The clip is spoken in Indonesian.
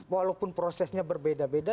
walaupun prosesnya berbeda beda